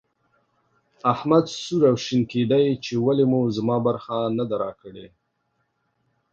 احمد سور او شين کېدی چې ولې مو زما برخه نه ده راکړې.